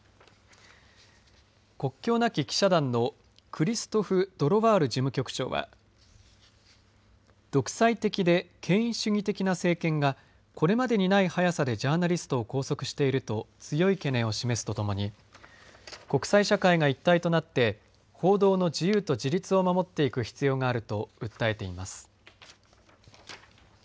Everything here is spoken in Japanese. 国境なき記者団のクリストフ・ドロワール事務局長は、独裁的で権威主義的な政権がこれまでにない速さでジャーナリストを拘束していると強い懸念を示すとともに国際社会が一体となって報道の自由と自律を守っていく必要があると訴えています。